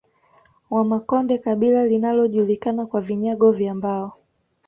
Wamakonde kabila linalojulikana kwa vinyago vya mbao